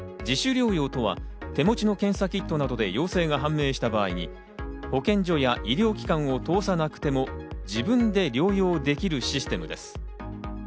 自主療養とは手持ちの検査キットなどで陽性が判明した場合に保健所や医療機関を通さなくても自分で療養できるシステムです。